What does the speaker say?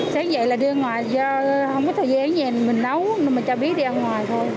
sáng dậy là đi ra ngoài do không có thời gian gì mình nấu nên mình cho biết đi ra ngoài thôi